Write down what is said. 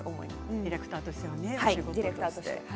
ディレクターとしてはね。